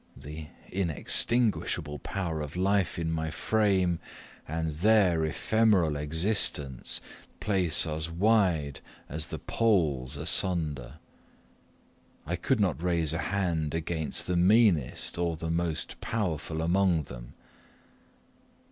The inextinguishable power of life in my frame, and their ephemeral existence, place us wide as the poles asunder. I could not raise a hand against the meanest or the most powerful among them.